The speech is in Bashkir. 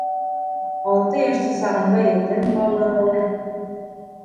Алты йәштә сағында етем ҡалыу...